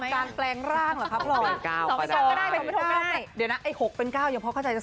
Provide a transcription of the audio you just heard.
สองเป็นหกก็ได้สองแปดก็ได้หกแปนเจ้าแปดก็ได้เนี้ย